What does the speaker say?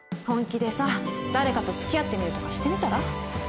本気でさ誰かとつきあってみるとかしてみたら？